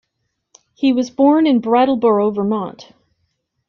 He was born in Brattleboro, Vermont.